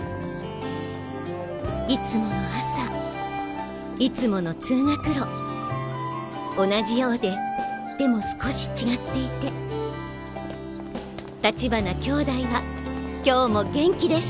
いつもの朝いつもの通学路同じようででも少し違っていて立花兄弟は今日も元気です